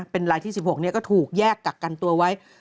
เป็นรายที่๑๖ก็ถูกแยกกักกันตัวไว้